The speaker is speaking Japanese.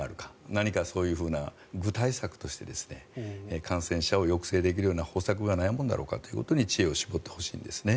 何かそういうふうな具体策として感染者を抑制できるような方策がないものだろうかということに知恵を絞ってほしいんですね。